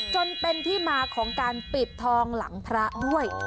จนเป็นที่มาของการปิดทองหลังพระด้วย